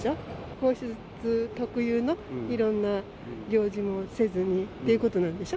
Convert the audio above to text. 皇室特有の、いろんな行事もせずにということなんでしょ。